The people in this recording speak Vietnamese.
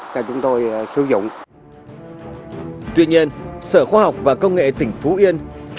chủ dự án nuôi tôm vùng ven biển của sở khoa học và công nghệ tỉnh phú yên